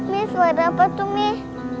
mie suara apa tuh mie